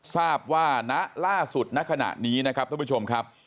ทราบว่าณล่าสุดณขณะนี้นะครับท่านผู้ชมครับ